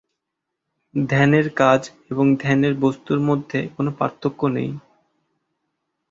ধ্যানের কাজ এবং ধ্যানের বস্তুর মধ্যে কোন পার্থক্য নেই।